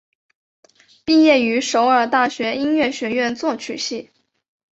毕业于首尔大学音乐学院作曲系。